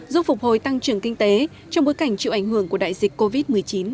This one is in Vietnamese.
giúp phục hồi tăng trưởng kinh tế trong bối cảnh chịu ảnh hưởng của đại dịch covid một mươi chín